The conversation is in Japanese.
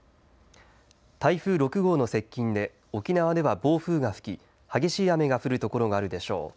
台風６号の接近で沖縄では暴風が吹き激しい雨が降る所があるでしょう。